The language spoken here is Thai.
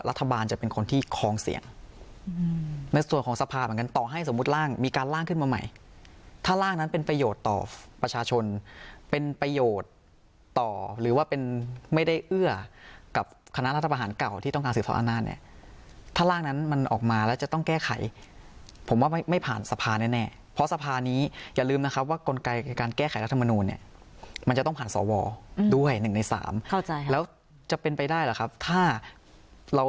รัฐบาลจะเป็นคนที่คลองเสี่ยงในส่วนของสภาเหมือนกันต่อให้สมมุติร่างมีการล่างขึ้นมาใหม่ถ้าร่างนั้นเป็นประโยชน์ต่อประชาชนเป็นประโยชน์ต่อหรือว่าเป็นไม่ได้เอื้อกับคณะรัฐบาหารเก่าที่ต้องการสื่อสอบอันนั้นเนี่ยถ้าร่างนั้นมันออกมาแล้วจะต้องแก้ไขผมว่าไม่ไม่ผ่านสภานแน่แน่เพราะสภาน